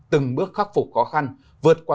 từng bước khắc phục khó khăn vượt qua